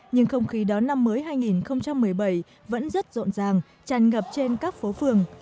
nhưng không khí đón năm mới hai nghìn một mươi bảy vẫn rất rộn ràng tràn ngập trên các phố phường